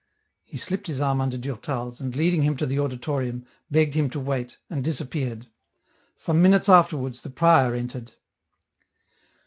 He slipped his arm under Durtal's, and leading him to the auditorium, begged him to wait, and disappeared. Some minutes afterwards, the prior entered.